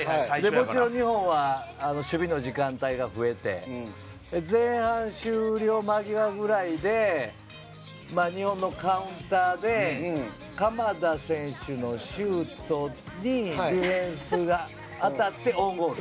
もちろん日本は守備の時間帯が増えて前半終了間際ぐらいで日本のカウンターで鎌田選手のシュートにディフェンスが当たってオウンゴール。